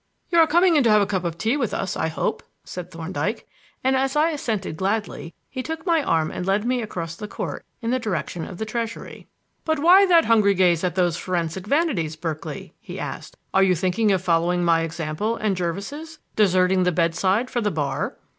"You are coming in to have a cup of tea with us, I hope," said Thorndyke; and as I assented gladly, he took my arm and led me across the court in the direction of the Treasury. "But why that hungry gaze at those forensic vanities, Berkeley?" he asked. "Are you thinking of following my example and Jervis's deserting the bedside for the Bar?"